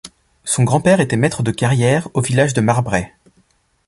Son grand père était maitre de carrière au village de Marbraix.